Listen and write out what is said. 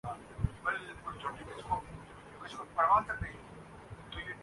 ہم پر ہمارے والدین کے بہت سے احسانات ہیں